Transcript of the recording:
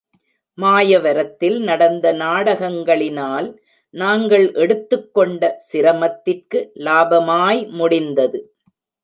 மாயவரத்தில் நடந்த நாடகங்களினால், நாங்கள் எடுத்துக் கொண்ட சிரமத்திற்கு லாபமாய் முடிந்தது.